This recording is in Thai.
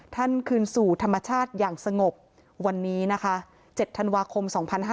คืนสู่ธรรมชาติอย่างสงบวันนี้นะคะ๗ธันวาคม๒๕๕๙